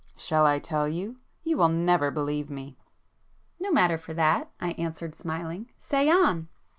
"Shall I tell you? You will never believe me!" "No matter for that!" I answered smiling—"Say on!"